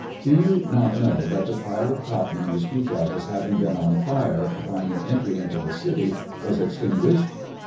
Do you not know that the pile of cotton you speak of as having been on fire upon your entry into the city was extinguished